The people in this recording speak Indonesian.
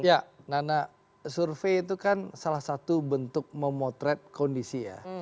ya nana survei itu kan salah satu bentuk memotret kondisi ya